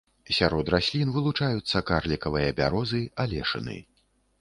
Сярод раслін вылучаюцца карлікавыя бярозы, алешыны.